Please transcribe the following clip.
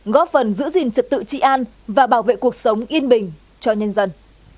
góp phần giữ gìn trật tự trị an và bảo vệ cuộc sống yên bình cho nhân dân